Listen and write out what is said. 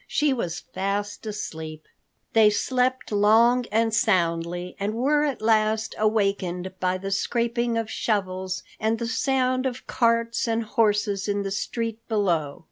She was fast asleep. They slept long and soundly, and were at last awakened by the scraping of shovels and the sound of carts and horses in the street below.